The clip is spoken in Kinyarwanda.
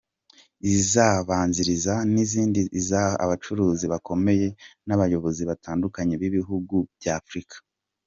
Izabanzirizwa n’indi izahuza abacuruzi bakomeye n’abayobozi batandukanye b’ibihugu bya Afurika.